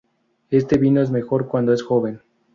Este vino es mejor cuando es joven.